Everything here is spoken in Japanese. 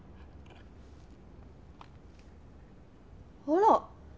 あら！